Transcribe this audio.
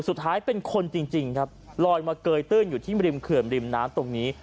สุดท้ายเป็นคนจริงครับลอยมาเกยตื้นอยู่ที่ริมเขื่อนริมน้ำตรงนี้